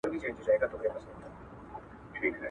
ترکاڼي د بيزو کار نه دئ.